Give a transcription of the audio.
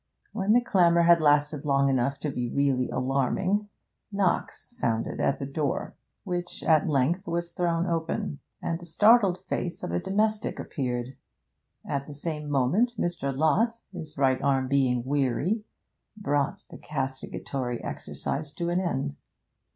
When the clamour had lasted long enough to be really alarming, knocks sounded at the door, which at length was thrown open, and the startled face of a domestic appeared. At the same moment Mr. Lott, his right arm being weary, brought the castigatory exercise to an end.